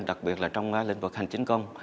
đặc biệt là trong lĩnh vực hành chính công